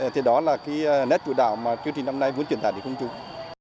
thế đó là cái nét chủ đạo mà chương trình năm nay muốn truyền tải đến công chúng